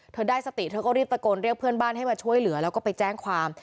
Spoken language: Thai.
เธอได้สติเธอก็รีบตะโกนเรียกเพื่อนบ้านให้มาช่วยเหลือแล้วก็ไปแจ้งความ